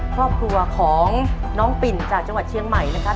ครอบครัวของน้องปิ่นจากจังหวัดเชียงใหม่นะครับ